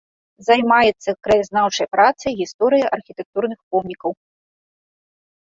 Займаецца краязнаўчай працай, гісторыяй архітэктурных помнікаў.